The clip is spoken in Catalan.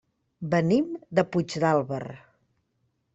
Venim de Puigdàlber.